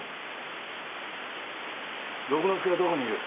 六之助はどこにいる？